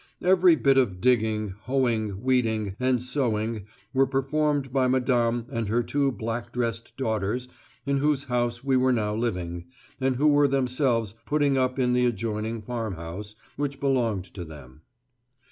Every bit of digging, hoeing, weeding and sowing were performed by Madame and her two black dressed daughters in whose house we were now living, and who were themselves putting up in the adjoining farmhouse, which belonged to them.